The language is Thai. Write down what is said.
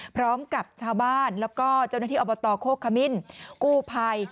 พร้อมกับชาวบ้านแล้วก็เจ้าหน้าที่อบตโคกขมิ้นกู้ภัย